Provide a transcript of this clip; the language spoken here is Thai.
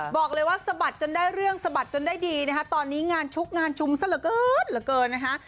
บอกเลยว่าสะบัดจนได้เรื่องสะบัดจนได้ดีนะคะตอนนี้งานชุกงานชุมซะเหลือเกินเหลือเกินนะคะ